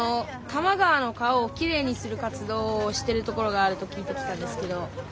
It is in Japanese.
多摩川の川をきれいにする活動をしてるところがあると聞いて来たんですけど。